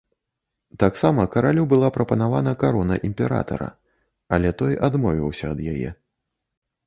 Таксама каралю была прапанавана карона імператара, але той адмовіўся ад яе.